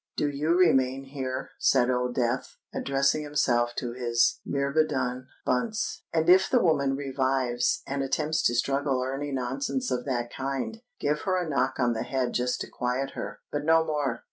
"Do you remain here," said Old Death, addressing himself to his myrmidon Bunce; "and if the woman revives and attempts to struggle or any nonsense of that kind, give her a knock on the head just to quiet her—but no more."